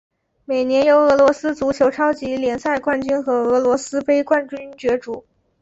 每年由俄罗斯足球超级联赛冠军和俄罗斯杯冠军角逐。